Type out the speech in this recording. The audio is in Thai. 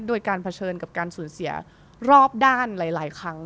โดยการเผชิญกับการสูญเสียรอบด้านหลายครั้ง